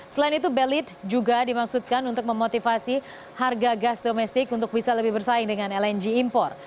selain itu belit juga dimaksudkan untuk memotivasi harga gas domestik untuk bisa lebih bersaing dengan lng impor